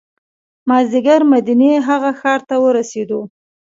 مازدیګر مدینې هغه ښار ته ورسېدو.